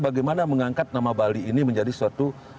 bagaimana mengangkat nama bali ini menjadi suatu